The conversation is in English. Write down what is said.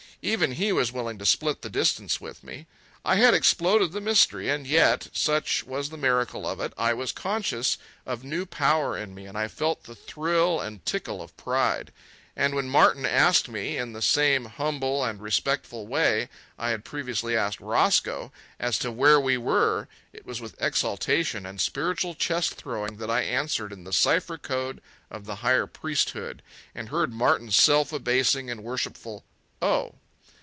Even he was willing to split the distance with me. I had exploded the mystery, and yet, such was the miracle of it, I was conscious of new power in me, and I felt the thrill and tickle of pride. And when Martin asked me, in the same humble and respectful way I had previously asked Roscoe, as to where we were, it was with exaltation and spiritual chest throwing that I answered in the cipher code of the higher priesthood and heard Martin's self abasing and worshipful "Oh."